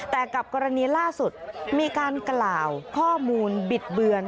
แต่กับกรณีล่าสุดมีการกล่าวข้อมูลบิดเบือน